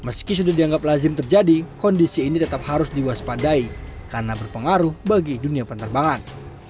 meski sudah dianggap lazim terjadi kondisi ini tetap harus diwaspadai karena berpengaruh bagi dunia penerbangan